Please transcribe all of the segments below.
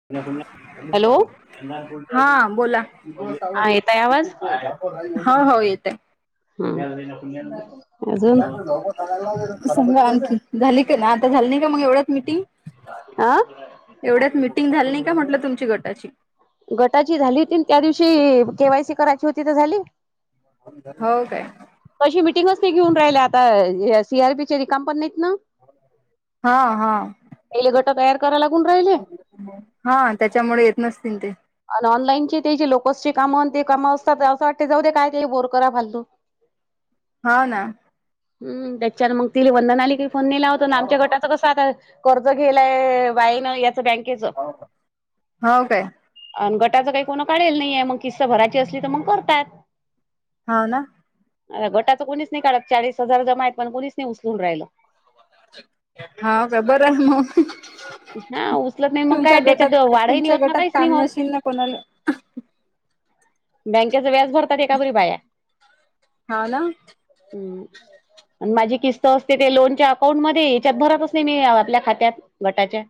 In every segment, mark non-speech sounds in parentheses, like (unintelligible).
(unintelligible) हा बोला हा येतय आवाज हो हो येत (inaudible) ह अजून सांगा बर हा झाली का ना आता झाली का मग एवढ्यात मिटिंग आं एवढ्यात मिटिंग झाली नाही का म्हटलं तुमची गटाची गटाची झाली तीन त्या दिवशी केवायसी करायची होती तर झाली. हो काय कशी मिटिंगच नाही घेऊन राहिल्या आता सी आर पीचे रिकाम पण नाहीत ना हा हा तेलगट तयार करा लागून राहील. हा त्याच्यामुळे येत नसतील ते आण ऑनलाईनची ते जे लोकसचे कामं ते कामं असतात असं वाटते जाऊ दे काय ते बोर करा फालतू हाव ना हम् त्याच्या मग तिले वंदनाली काही फोन नाही लावत आमच्या गटाचं कसं आता कर्ज घेलाय वाईन याच बँकेच. हो काय अन गटाचं काही कोण काढलेल नाही आहे मग किस्सात भरायची असली तर मग करतात. हाव ना. आता गटाच कोणीच नाही काढत चाळीस हजार जमा आहेत पण कोणीच नाही उचलून राहिलं. हाव का बरम (unintelligible) हव उचलत नाही मग काय त्याच्यात वाढही नाही तुमच्या होत ना गटात काहीच नाही काम होत. नशील ना कोणाला बँकेच व्याज भरतात एकापरी बाया हो ना हम्म आण माझी किस्त असते ते लोनच्या अकाउंट मध्ये याच्यात भरत नाही मी आपल्या खात्यात गटाच्या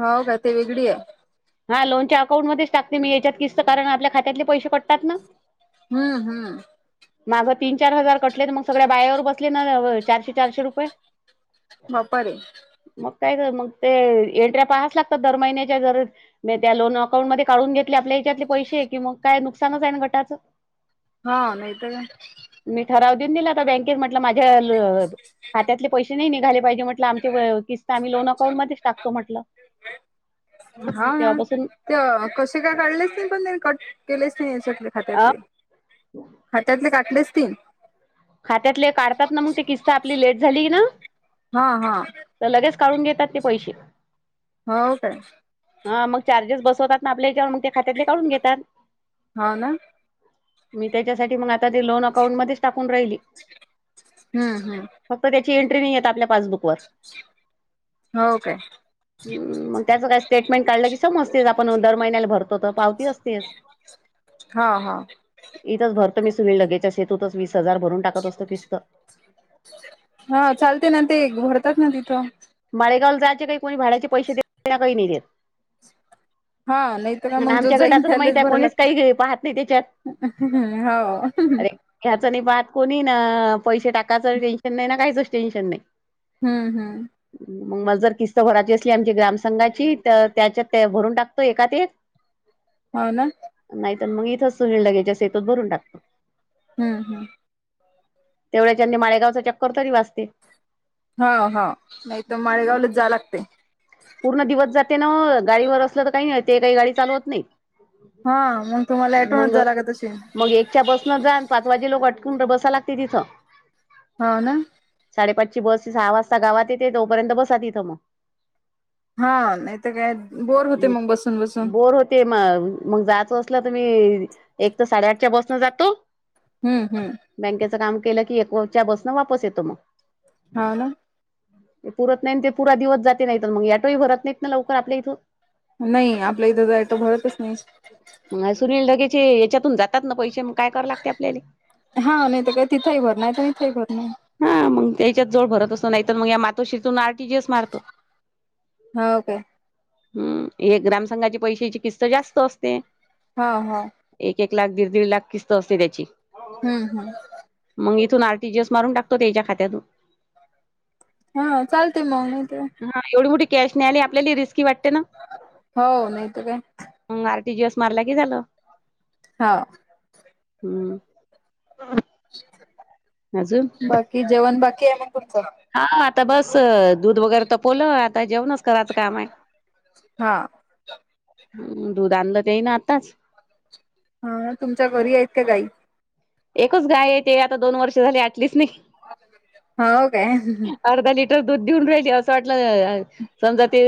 होव का ते वेगळी आहे. हा लोनच्या अकाउंटमध्येच टाकते मी याच्यात किस्त कारण आपल्या खात्यातले पैसे कटतात ना हम्म हम्म माग तीन चार हजार कटलेना मग सगळ्या बायावर बसले ना चारशे चारशे रुपये बापारे मग काय तर मग ते इंट्राया पहाच लागतात दर महिन्याच्या गरज मी त्या लोन अकाउंट मध्ये काढून घेतले आपल्या हच्यातले पैसे कि मग काय नुकसानच आहे ना गटाचं हा नाही तर काय. मी ठराव देऊन दिला होता बँकेत म्हटलं माझ्याल खात्यातले पैसे नाही निघाले पाहिजे म्हटलं आमचे किस्त तसआम्ही लोन अकाउंट मध्येच टाकतो म्हटल, तेव्हापासून तेअ कसे काय काढले असतीन पण त्यानी कट. केलेच ती याच्या आपले अ खात्यातले खात्यातले काटलेच ती खात्यातले काढतात ना मग ते किस्त आपली लेट झाली ना. हा हा त लगेच काढून घेतात ते पैसे. होव काय. हा मग चार्जेस बसवतात ना आपल्या येचावर मग ते खात्यातले काढून घेतात‌. होव ना. मी त्याच्यासाठी मग आता ते लोन अकाउंटमध्येच टाक टाकून राहिली. हम्म फक्त त्याची एंट्री नाही येत आपल्या पासबुक हव काय. हम मग त्याच काय स्टेटमेंट काढलं की समजततेच आपण दर महिन्याला भरतो. होत तर पावती असतेच. हा हा इथंच भरत मी सुविल लगेचच शेतूतच वीस हजार भरून टाकत असतो किस्त. हा चालते ना ते भरतात ना तिथं. माळेगावला जायचे काही कोणी भाड्याचे पैसे देत न्हाय कोणी नाही देत. हा नाही हा ना आणि मग जो आमच्या जाईन गटाचं तर माहित त्यालेच आहे कोणीच भरालागते. काही पाहत नाही त्याच्यात हाव ह्याच नाही पाहात कोणी ना, पैसे टाकायचं टेन्शन नाही ना, काहीचच टेन्शन नाही. हम्म, हम्म! मल जर किस्त भराची असली आमची ग्राम संंघाची तर त्याच्यात भरून टाकतो एकात एक. हाव ना. नाही तर मग इथंच सुळ लगेच्या शेतत भरून टाक. हम्म! तेवढ्या च्यानी माळेगाव चा चक्कर तरी वाचतील. हा हा नाही तर माळेगावलाच जाय लागतय. पूर्ण दिवस जाते ना ओ गाडीवर असलं तर काही नाही ते काही गाडी चालवत नाही. हा मग तुम्हाला ॲटोनच मग जा लागत अशेन. मग एकच्या बस न जान पाच वाजे लोग अटकून बसावं लागते तिथं. हाव ना. साडेपाचची बस सहा वाजता गावात येते तोपर्यंत बसा तिथं. हा नाही तर काय बोर होते मग बसून बसून. ते मग मग जायचं असलं तर मी एक तर साडेआठच्या बसनं जातो. हम्म, हम्म! बँकेचं काम केलं की एकच्या बसनं वापस येतो. हा ना. ते पुरत नाही ते पुरा दिवस जाते नाहीत मग ॲटोही भरत नाहीत ना लवकर आपल्या इथून. नाही आपल्या इथंतर ॲटो भरतच नाही. सुनील ढगेचे याच्यातून जातात ना पैसे मग काय करा लागते आपल्याले. हा नाही तर काय तिथंही भरन, तर इथेही भरनं. हा मग त्याच्यात जावन भरत असतो नाही तर मग या मातोशीरतून आर टी जी एस मारतो‌. हो काय. हम, हे ग्रामसंघाची पैशाची किस्त जास्त असते. हा, हा. एक एक लाख, दीड दीड लाख, किस्त असते त्याची. हम्म, हम्म! मग इथून आर टी जी एस मारून टाकतो त्याच्या खात्यात. हा चालते मग नाही ते हा एवढी मोठी कॅश न्ह्यायला आपल्याले रिस्की वाटते ना. हो नाही तर काय. मग आर टी जी एस मारला की झालं. हा हम्म (unintelligible) अजून कि जेवण बाकी आहे ना तुमचं हा आता बस दूध वगैरे तपवलं आता जेवणच करायचं काम हाय हा ह दूध आणलं ते ना आताच. हा तुमच्या घरी आहेत का गायी. एकच गाय आहे ते आता दोन वर्ष झाले आटलीच नाही. ह हो काय अ हं हं अर्धा लिटर दूध दिऊन राहिली असं वाटलं अ समजा ते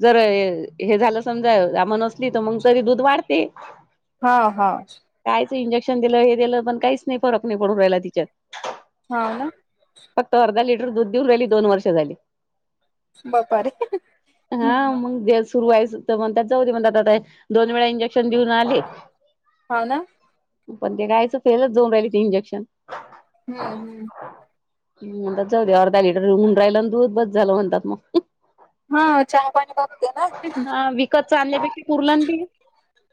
जर हे झालं समजा आमनच म तरी दूध वाढते हा हा कायच इंजेक्शन दिलं हे पण काहीच नाही फरक नाही पडू राहायला तिच्यात. हा ना फक्त अर्धा लिटर दूध देऊन राहिली दोन वर्ष झाली. बापारे हा हो मंग बेस सुरु आहे म्हणात जाऊ म्हणातात दोन वेळा इंजेक्शन देऊन आले. हा ना पण ते गायचं फेलच जाऊन राहिली ते इंजेक्शन. हम्म हम्म हम्म जाऊ दे अर्धा लिटर हुंन रायलना दूध बस झालं म्हणतात मग. हा चहा पाणी भागते ना हा विकतच आणल्यापेक्षा पुरलं ते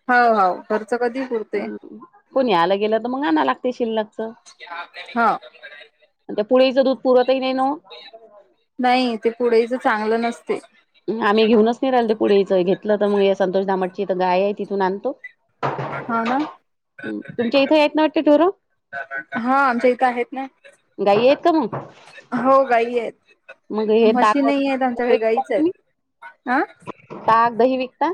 हो हो खर्च कधी पुरते. कोण आलं गेलं तर मग आणायं लागते शिल्लाकच. हा त्या पुळीच दूध पुरवतही नाही नवो. नाही ते पुढेच चांगलं नसते. आम्ही घेऊनच नाही राहिल ते पुडी च घेतलं तर मग संतोष दामटची गाय आहे तिथून आणतो. हो ना तुमच्या इथ येतं नाय वाटत ट्युरो. हा आमच्या इथं आहेत ना. गाई आहेत का मग हो गाई मग आहेत हे म्हशी ताक नाही आहेत आमच्याकड गाईच वगैरे आहेत हा ताक, दही विकता.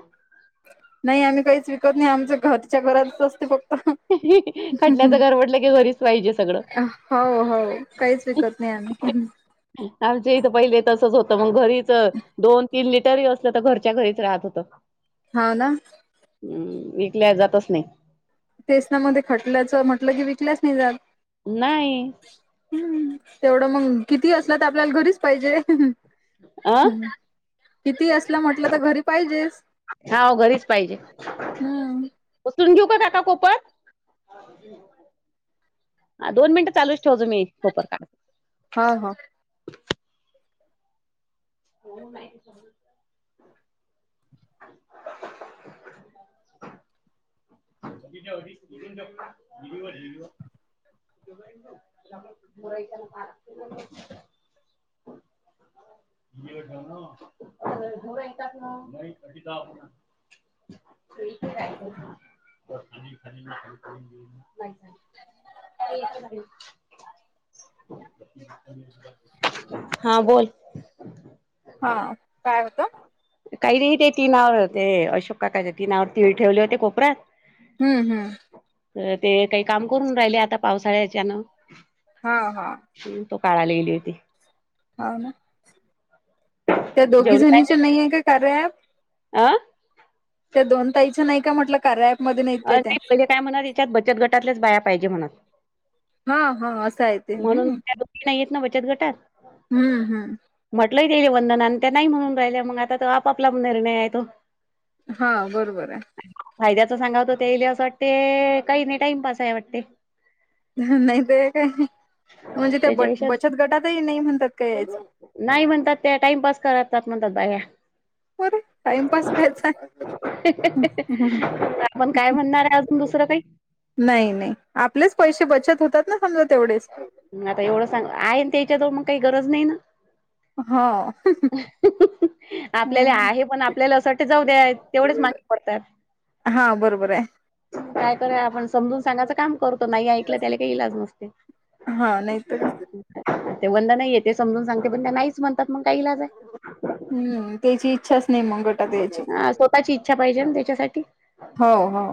नाही आम्ही काहीच विकत नाही आमच घरच्या घरात असते फक्त खटल्याचं गरवडलं की घरीच पाहिजे सगळं. हो हो काहीच विकत नाही आम्ही. हम्म आमचे इथं पहिले तसच होतं मग घरीच दोन तीन लिटरही असलं तर घरच्या घरीच राहत होतं. हा ना हम्म विकल्या जातच नाही. तेच ना मध्ये खटल्याचं म्हटलं की विकल्याच नाही जात. नाही हम् तेवढं मग किती असलं तर आपल्याला घरीच पाहिजे. अं किती असलं म्हटलं तर घरी पाहिजेच. हाव घरीच पाहिजे. हम्म उचलून घेऊ का काका कोपत. हा दोन मिनट चालूच ठेवा तुम्ही तो परका हां. हां. (unintelligible) (unintelligible) (unintelligible) (inaudible) (inaudible) किती राहीले ते (unintelligible) (unintelligible) हा बोल. हा. काय होतं? काही नाही ते तीनावर होते. अशोक काकाचे तीनावर तीळ ठेवले होते कोपऱ्यात. हम्म हम्म. तर ते काही काम करून राहिले आता पावसाळ्याच्यानं. हा हा. शेण तो काडायला गेली होती. हाव ना. त्या दोघी जणीचे नाहीए का कार्या ॲप? आ? त्या दोन ताईच नाही का म्हटलं कार्या ॲप? मध्ये नाहीत अ काय त्या? नाही पहिले काय म्हणत? याच्यात बचत गटातल्याच बाया पाहिजे म्हणत. हा हा. असं आहेत- म्हणून त्या दोघी नाहीयेत ना बचत गटात. हम्म हम्म. म्हटलंय त्याले. वंदना आणि त्या नाही म्हणून राहिल्या. मग आता आपापला निर्णय आहे तो. हा. बरोबर आहे. फायद्याच सांगाव तर, तेयले असं वाटते काही नाही टाइमपास आहे वाटते. हं. नाही त काय? हं म्हणजे त्या ब त्याच्यापेक्षा बचत गटातही नाही म्हणतात काय यायचं? नाही म्हणतात त्या. टाइमपास करतात म्हणतात बाया. अरे! टाइमपास काय? आपण काय म्हणणार आहे अजून दुसरं काही? नाही नाही. आपलेच पैसे बचत होतात ना? समजा तेवढेच. मग आता एवढं सांग. आहे ना त्यांच्याजवळ मग काही गरज नाही ना? हा. हं हं हं. आपल्याले आहे. पण आपल्याला असं वाटत जाऊ द्या तेवढेच मागे पडतात. हा. बरोबर आहे. काय करा? आपण समजून सांगाचं काम करतो. नाही ऐकलं त्याला काही इलाज नसते. हा. नाही तर काय. ते वंदनाही ये ते समजून सांगते पण त्या नाहीच म्हणतात मग काय ईलाज आहे? हम्म. त्याची इच्छाच नाही मंग गटात यायची. स्वःताची इच्छा पाहिजे ना त्याच्यासाठी? हो हो.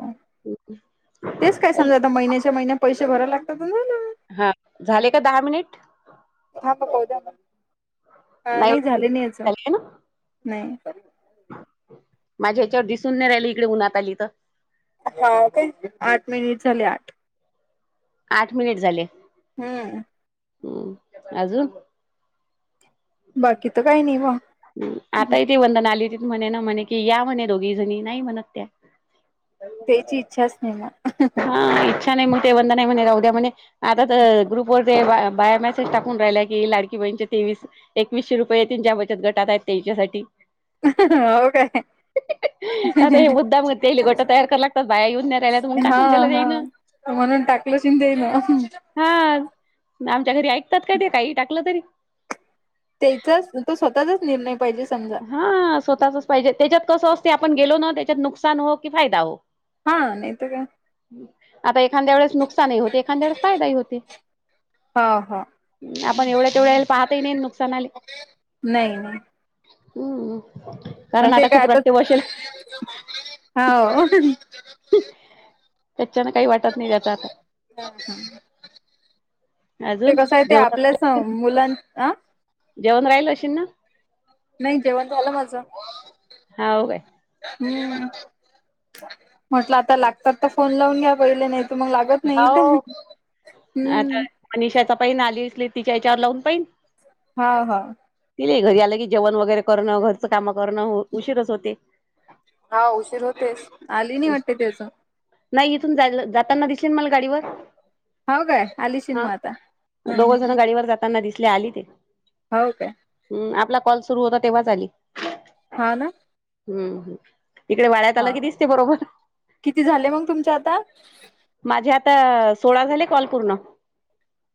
तेच काय समजा आता महिन्याच्या महिना पैसे भरावं लागत्यात झालं. हा. झाले का दहा मिनिट? हा. तर काय झालं? नाही झाले नाही अजून. झाले ना हं. माझ्या याच्यावर दिसून न्हाय राहीलं इकडे. उन्हात आली तर. आत्ता तर आठ मिनिटं झाले आठ. आठ मिनिट झाले. हम्म ह. अजून? बाकी तर काही नाही बा. आताही ती वंदना आली त म्हणे ना, म्हणे कि या म्हणे दोघी जणी. नाही म्हणत त्या. त्येची इच्छाच नाही ना? हा. इच्छा नाही. मग ते वंदना ही म्हणे राहू द्या म्हणे. आता तर ग्रुप वर ते बाया मॅसेज टाकून राहिला की लाडकी बहिणीच्या तेवीस एकवीसशे रुपये जेंच्या बचत गटात आहेत त्याच्यासाठी. अह ह हो काय? आता हे मुद्दाम तेले गटं तयार कराय लागत्यात बाया येऊन राहील्यास म्हणून टाक. हा हा तू म्हणून टाकलं असशील ते ना हं. हा आमच्या घरी ऐकतात का ते काही टाकलं तरी? त्याचाच तो स्वतःचाच निर्णय पाहिजे समजा हा स्वतःच पाहिजे त्याच्यात कसं असते आपण गेलो ना त्याच्यात नुकसान हो की फायदा हो.. हा नाही त काय? आता एखांद्या वेळेस नुकसानही होते एखांद्या वेळेस फायदा ही होते. हो हो ह आपण एवढ्या तेवढ्याले पाहतही नाही नुकसान आले नाही नाही हम्म कारण आता खूप रक्त वाॅश आहे. हाव ह. त्याच्यान काही वाट (unintelligible) हा हा ते अजून कसं आहे ते आपलंच हो जेवण मुलां अ जेवण राहिल अशी ना? नाही जेवण झालं माझं. हाव काय? हम् म्हटलं आता लागतात तर फोन लावून घ्या पहिले नाही तू मग लाग त नाही तर मग हम्म. आणि शेतापै नाली आसली तिच्या याच्यावर लावून पाहीन. हा हा. ति काय घरी आलं की जेवण वगैरे करूण घरचं काम करूण उशीरच होते. हा उशीर होतेस आली नाही वाटते ती अजून. नाही इथून जाताना दिसेल मला गाडीवर. हो काय आलीशिन म आता हम्! ताना (inaudible) दिसले आली ती. हा हो काय? हम! आपला कॉल सुरू होता तेव्हाच आली. हां ना.. हम्म इकडे वाड्यात आलं हा की दिसते बरोबर. किती झाले मग तुमच्या आता? माझे आता सोळा झाले कॉल पूर्ण.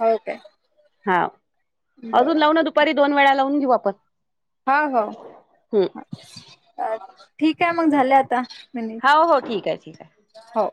हओ काय. हा. बर अजून लाव ना दुपारी दोन वेळा लावून घेऊ आपण. हा हो. हम्म (inaudible) ठीक आहे मग झाले आता मिनिट. हो हो ठीक आहे ठीक आहे. हो.